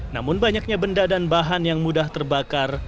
namun banyaknya benda dan bahan yang mudah terbakar